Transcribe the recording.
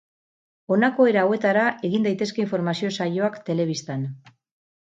Honako era hauetara egin daitezke informazio saioak telebistan.